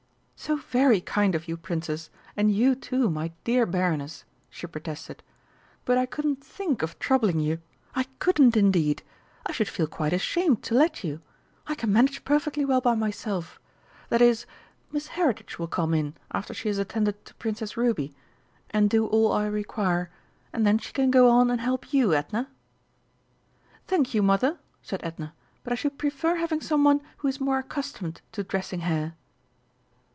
"So very kind of you, Princess, and you, too, my dear Baroness," she protested, "but I couldn't think of troubling you I couldn't indeed! I should feel quite ashamed to let you! I can manage perfectly well by myself that is, Miss Heritage will come in after she has attended to Princess Ruby, and do all I require, and then she can go on and help you, Edna." "Thank you, Mother," said Edna, "but I should prefer having some one who is more accustomed to dressing hair."